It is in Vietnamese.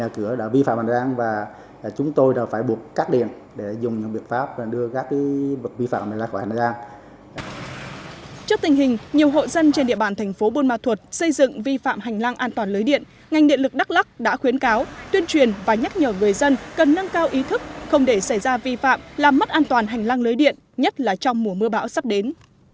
trước tình hình nhiều hộ dân trên địa bàn thành phố bùn ma thuật xây dựng vi phạm hành lang an toàn lưới điện ngành điện lực đắk lắc đã khuyến cáo tuyên truyền và nhắc nhở người dân cần nâng cao ý thức không để xảy ra vi phạm làm mất an toàn hành lang lưới điện nhất là trong mùa mưa bão sắp đến